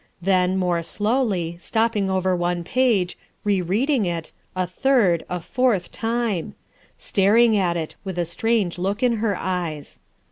Then, more slowly, stopping over one page, re reading it, a third, a fourth time; staring at it, with a strange look in her eyes.